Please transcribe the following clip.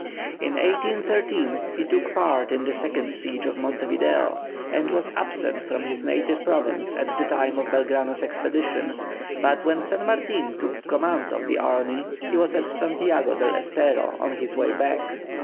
In 1813 he took part in the second siege of Monte Video, and was absent from his native province at the time of Belgrano's expedition, but when San Martin took command of the army he was at Santiago del Estero on his way back.